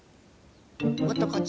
もっとこっち。